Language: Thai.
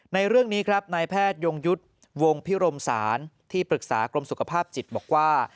ในเรื่องนี้ครับนายแพทยงยุทธ์วงพิรมศาลที่ปรึกษากรมสุขภาพจิตบอกว่า